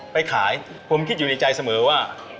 ไปขายผมคิดอยู่ในใจเสมอว่า